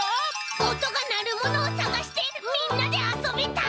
おとがなるものをさがしてみんなであそびたい！